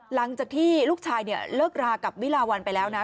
หลังจากที่ลูกชายเนี่ยเลิกรากับวิลาวันไปแล้วนะ